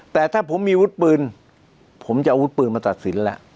แต่ถ้าผมมีวุฒิปืนผมจะเอาอาวุธปืนมาตัดสินแล้ว